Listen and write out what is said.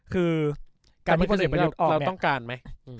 การพิจารณีประยุทธออกเนี่ย